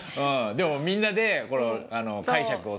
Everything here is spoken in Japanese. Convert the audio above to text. でもみんなで解釈をすれば。